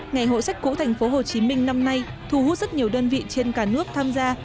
ngày hội sách cũ thành phố hồ chí minh năm nay thu hút rất nhiều đơn vị trên cả nước tham gia